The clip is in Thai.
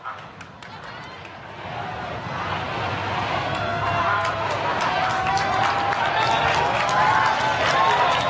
ก็น่าจะมีการเปิดทางให้รถพยาบาลเคลื่อนต่อไปนะครับ